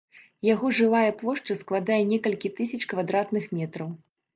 Яго жылая плошча складае некалькі тысяч квадратных метраў.